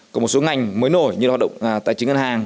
còn một số ngành mới nổi như là hoạt động tài chính ngân hàng